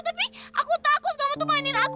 tapi aku takut kamu tuh mainin aku